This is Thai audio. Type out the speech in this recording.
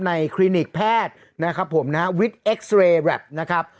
คลินิกแพทย์นะครับผมนะฮะวิทย์เอ็กซ์เรย์แวปนะครับ